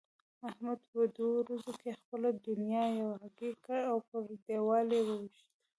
احمد په دوو ورځو کې خپله دونيا یوه هګۍکړ او پر دېوال يې وويشت.